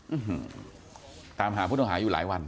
อืมตามหาผู้ต้องหาอยู่หลายวัน